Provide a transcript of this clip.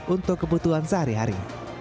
untuk kebutuhan sehari hari